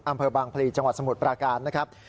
อำเภอบางพลีจังหวัดสมุทรปราการนะครับ